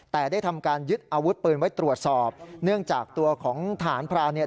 แต่ได้ทำการยึดอาวุธปืนไว้ตรวจสอบเนื่องจากตัวของทหารพรานเนี่ย